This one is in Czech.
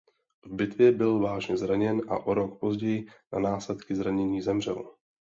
V bitvě byl vážně zraněn a o rok později na následky zranění zemřel.